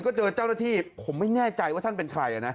ก็เจอเจ้าหน้าที่ผมไม่แน่ใจว่าท่านเป็นใครนะ